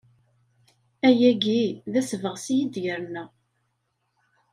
Ayagi d asebɣes i yi-d-yerna.